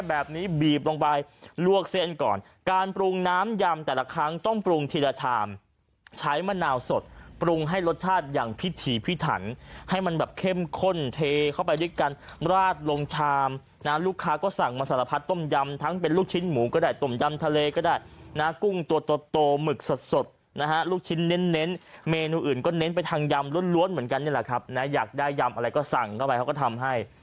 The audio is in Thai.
แบบนี้บีบลงไปลวกเส้นก่อนการปรุงน้ำยำแต่ละครั้งต้องปรุงทีละชามใช้มะนาวสดปรุงให้รสชาติอย่างพิถีพิถันให้มันแบบเข้มข้นเทเข้าไปด้วยกันราดลงชามนะลูกค้าก็สั่งมาสารพัดต้มยำทั้งเป็นลูกชิ้นหมูก็ได้ต้มยำทะเลก็ได้นะกุ้งตัวตัวตัวหมึกสดสดนะฮะลูกชิ้นเน้นเน้นเมนูอื่นก็เน้นไป